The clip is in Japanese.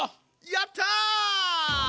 やった！